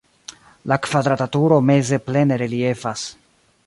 La kvadrata turo meze plene reliefas.